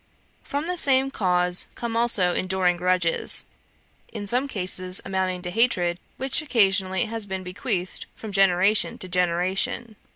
From the same cause come also enduring grudges, in some cases amounting to hatred, which occasionally has been bequeathed from generation to generation.